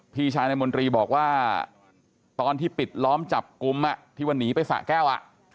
พี่ชายนายมนตรีบอกว่าตอนที่ปิดล้อมจับกลุ่มที่ว่าหนีไปสะแก้ว